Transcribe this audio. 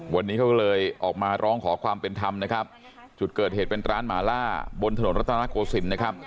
วันนี้เขาก็เลยออกมาร้องขอความเป็นธรรมนะครับจุดเกิดเหตุเป็นร้านหมาล่าบนถนนรัฐนาโกศิลป์นะครับ